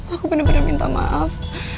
aku bener bener minta maaf